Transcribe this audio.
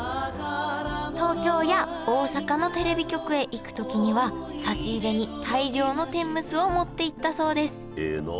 東京や大阪のテレビ局へ行くときには差し入れに大量の天むすを持っていったそうです。